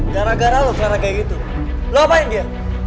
gara gara lu terlalu kayak gitu lu ngapain dia